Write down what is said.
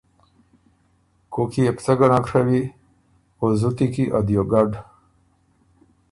کوک کی يې بو څۀ ګه نک ڒوی او زُتی کی ا دیوګډ۔